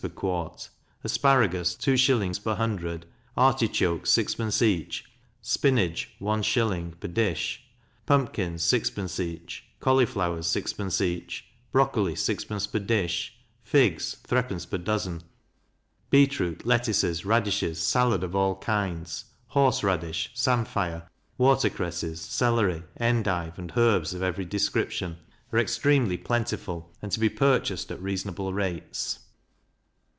per quart, asparagus 2s. per hundred, artichokes 6d. each, spinage 1s. per dish, pumpkins 6d. each, cauliflowers 6d. each, brocoli 6d. per dish, figs 3d. per dozen. Beet root, lettuces, raddishes, sallad of all kinds, horse raddish, samphire, watercresses, celery, endive, and herbs of every description, are extremely plentiful, and to be purchased at reasonable rates.